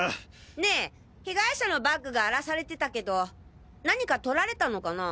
ねえ被害者のバッグが荒らされてたけど何か盗られたのかな？